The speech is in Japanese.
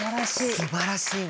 すばらしいの。